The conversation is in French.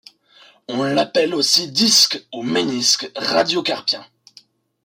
On l'appelle aussi disque ou ménisque radiocarpien.